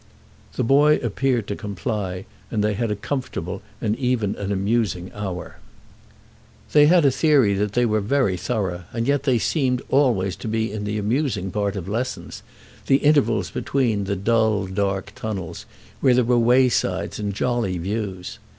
The boy appeared to comply, and they had a comfortable and even an amusing hour. They had a theory that they were very thorough, and yet they seemed always to be in the amusing part of lessons, the intervals between the dull dark tunnels, where there were waysides and jolly views.